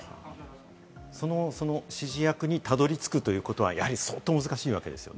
その指示役にたどり着くということはやはり相当難しいわけですよね。